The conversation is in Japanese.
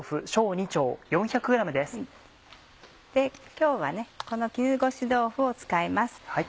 今日はこの絹ごし豆腐を使います。